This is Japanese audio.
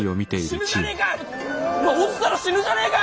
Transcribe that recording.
「落ちたら死ぬじゃねえか！